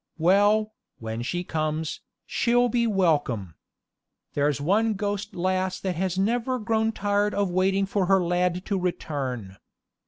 Well, when she comes, she'll be welcome. There's one ghost lass that has never grown tired of waiting for her lad to return.